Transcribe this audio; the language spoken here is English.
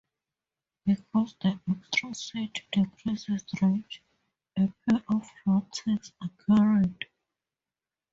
Because the extra seat decreases range, a pair of drop tanks are carried.